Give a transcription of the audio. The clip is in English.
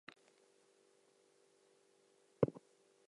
His birth mother was a human woman named Sarah.